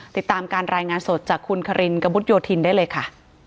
ติดตามการรายงานสดจากคุณคารินกระมุดโยธินได้เลยค่ะ